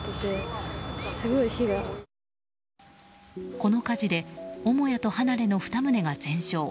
この火事で母屋と離れの２棟が全焼。